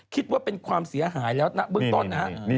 คิดว่าเป็นความเสียหายแล้วนะเบื้องต้นนะฮะ